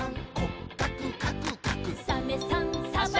「サメさんサバさん」